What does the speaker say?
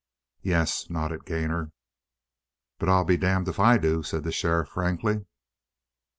"Yes," nodded Gainor. "But I'm damned if I do," said the sheriff frankly.